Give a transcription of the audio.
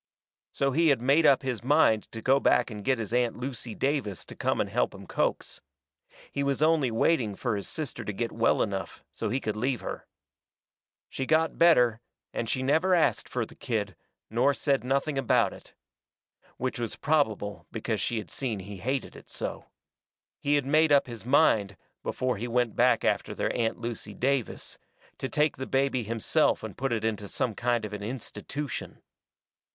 So he had made up his mind to go back and get his Aunt Lucy Davis to come and help him coax. He was only waiting fur his sister to get well enough so he could leave her. She got better, and she never ast fur the kid, nor said nothing about it. Which was probable because she seen he hated it so. He had made up his mind, before he went back after their Aunt Lucy Davis, to take the baby himself and put it into some kind of an institution.